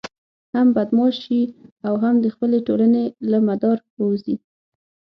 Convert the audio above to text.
هم بدماش شي او هم د خپلې ټولنې له مدار ووزي.